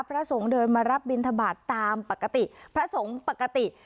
พระสงฆ์เดินมารับบินทบาทตามปกติพระสงฆ์ปกติ